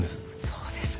そうですか。